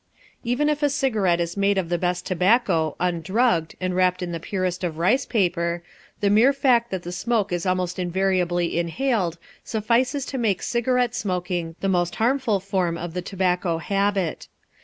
Even if a cigarette is made of the best tobacco, undrugged, and wrapped in the purest of rice paper, the mere fact that the smoke is almost invariably inhaled suffices to make cigarette smoking the most harmful form of the tobacco habit.